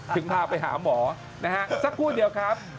พาไปหาหมอนะฮะสักครู่เดียวครับ